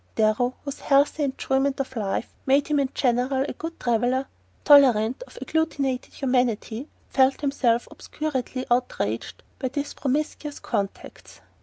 Darrow, whose healthy enjoyment of life made him in general a good traveller, tolerant of agglutinated humanity, felt himself obscurely outraged by these promiscuous contacts.